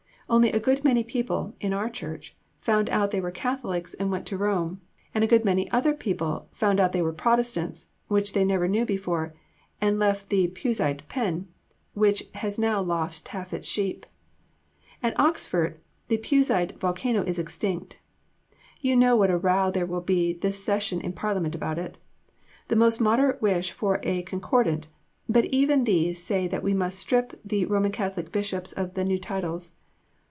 Only a good many people (in our Church) found out they were Catholics and went to Rome, and a good many other people found out they were Protestants, which they never knew before, and left the Puseyite pen, which has now lost half its sheep. At Oxford the Puseyite volcano is extinct.... You know what a row there will be this Session in Parliament about it. The most moderate wish for a Concordat, but even these say that we must strip the R.C. Bishops of their new titles.